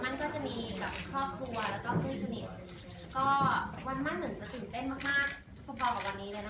ในช่วงตอนนี้เลยนะคะ